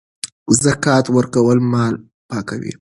زکات ورکول مال پاکوي.